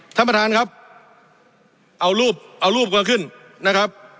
ท่านประธานครับเอารูปเอารูปก็ขึ้นนะครับ